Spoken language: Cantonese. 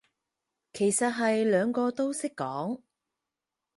其實係兩個都識講